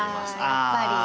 あやっぱり！